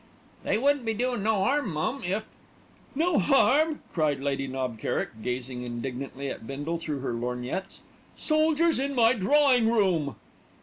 "They wouldn't be doin' no 'arm, mum, if " "No harm!" cried Lady Knob Kerrick, gazing indignantly at Bindle through her lorgnettes. "Soldiers in my drawing room!"